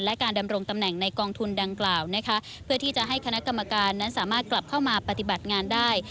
และการดำรงตำแหน่งในกองทุนดังกล่าวนะคะเพื่อที่จะให้คณะกรรมการนั้นสามารถกลับเข้ามาปฏิบัติงานได้